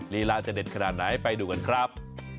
ลีลาจะเด็ดขนาดไหนไปดูกันครับ